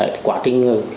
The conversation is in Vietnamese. thì quá trình